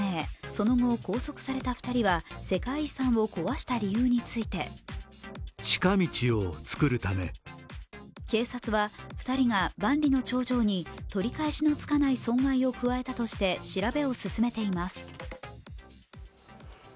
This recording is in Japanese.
その後、拘束された２人は世界遺産を壊した理由について警察は２人が万里の長城に取り返しのつかない損害を加えたとして調べを進めています。